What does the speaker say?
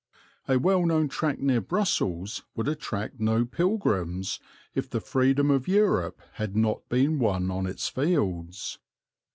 A well known tract near Brussels would attract no pilgrims if the freedom of Europe had not been won on its fields.